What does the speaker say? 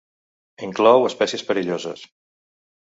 Inclou espècies perilloses.